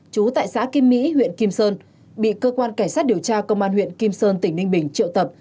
chú tại xã kim mỹ huyện kim sơn bị cơ quan cảnh sát điều tra công an huyện kim sơn tỉnh ninh bình triệu tập